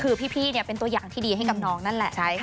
คือพี่เป็นตัวอย่างที่ดีให้กับน้องนั่นแหละ